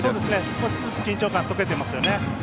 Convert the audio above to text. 少しずつ緊張感が解けてますよね。